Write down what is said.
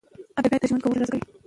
ادبیات د ژوند کولو چل را زده کوي.